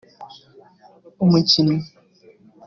umukinnyi